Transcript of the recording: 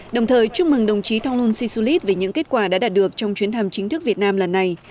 đồng thời chúc mừng đồng chí thonglun sisulit về những kết quả đã đạt được trong chuyến thăm chính thức việt nam lần này